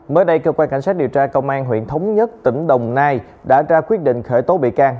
mới đây cơ quan cảnh sát điều tra công an huyện thống nhất tỉnh đồng nai đã ra quyết định khởi tố bị can